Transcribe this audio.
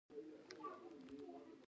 ټولنه باید د ادیبانو قدرداني وکړي.